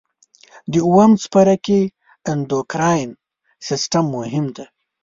د اووم څپرکي اندورکاین سیستم مهم دی.